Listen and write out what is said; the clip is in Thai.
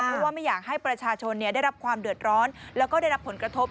เพราะว่าไม่อยากให้ประชาชนได้รับความเดือดร้อนแล้วก็ได้รับผลกระทบ